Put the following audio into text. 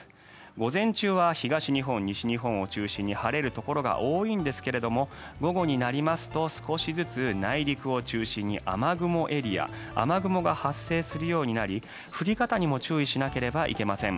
午前中は東日本、西日本を中心に晴れるところが多いんですが午後になりますと少しずつ内陸を中心に雨雲エリア雨雲が発生するようになり降り方にも注意しなければいけません。